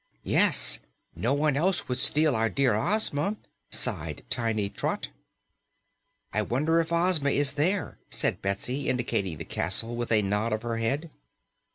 "Yes. No one else would steal our dear Ozma," sighed tiny Trot. "I wonder if Ozma is there?" said Betsy, indicating the castle with a nod of her head.